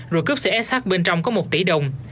rồi cướp xe s h bên trong có một tỷ đồng